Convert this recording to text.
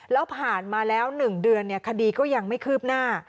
แล้วผ่านมาแล้ว๑เดือนคดีก็ยังไม่คืบหน้า